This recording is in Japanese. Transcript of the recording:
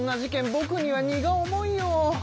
ぼくには荷が重いよ。